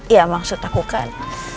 ya maksud aku kan